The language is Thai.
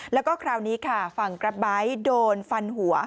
แล้วก็คราวนี้ค่ะฝั่งกราฟไบท์โดนฟันหัว